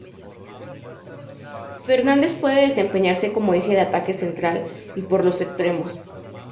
Fernández puede desempeñarse como eje de ataque central y por los extremos.